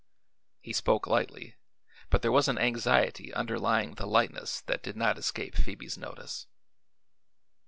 He spoke lightly, but there was an anxiety underlying the lightness that did not escape Phoebe's notice.